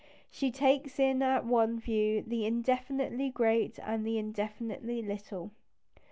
She takes in at one view the indefinitely great and the indefinitely little.